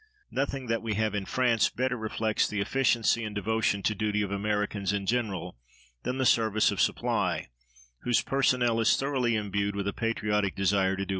Nothing that we have in France better reflects the efficiency and devotion to duty of Americans in general than the Service of Supply, whose personnel is thoroughly imbued with a patriotic desire to do its full duty.